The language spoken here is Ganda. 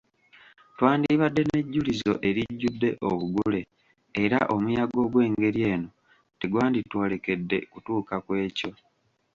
Twandibadde nejjulizo erijjudde obugule, era omuyaga ogw'engeri eno tegwanditwolekedde kutuuka ku ekyo.